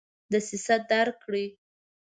دسیسه درک کړي.